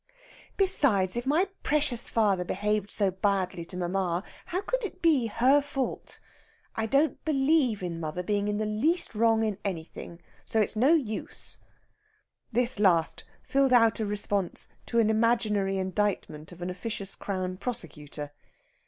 "Besides, if my precious father behaved so badly to mamma, how could it be her fault? I don't believe in mother being the least wrong in anything, so it's no use!" This last filled out a response to an imaginary indictment of an officious Crown Prosecutor.